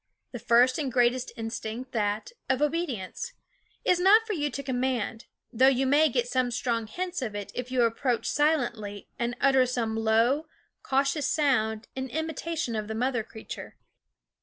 The first and greatest instinct, that of obedience, is not for you to command ; though you may get some strong hints of it, if you approach silently and utter some low, cautious sound in imitation of the mother creature.